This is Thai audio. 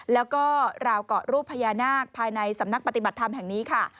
แล้วก็ราวเกาะรูปพญานาคภายในสำนักปฏิบัติธรรมแห่งนี้ค่ะ